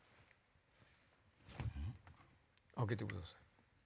開けてください。